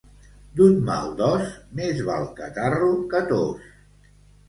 D'un mal dos, més val catarro que tos.